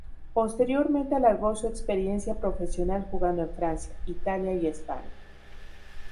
Posteriormente alargó su experiencia profesional jugando en Francia, Italia y España.